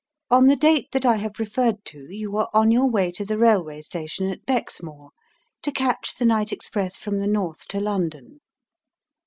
On the date that I have referred to you were on your way to the railway station at Bexmore, to catch the night express from the north to London."